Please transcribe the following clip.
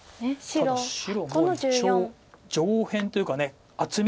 ただ白も一応上辺というか厚み。